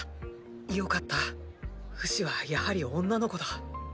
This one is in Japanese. よかったフシはやはり女の子だ！